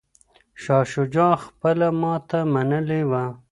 شاه شجاع خپله ماته منلې وه.